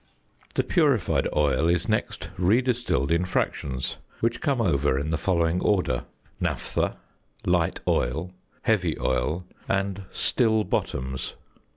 The purified oil is next re distilled in fractions, which come over in the following order: "Naphtha," "light oil," "heavy oil," and "still bottoms."